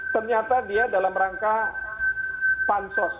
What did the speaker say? ternyata dia dalam rangka pansos